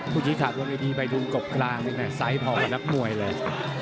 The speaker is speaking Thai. ผู้ชี้ขาดวงไอดีไปดูกบกลางใส่พอกับนักมวยเลย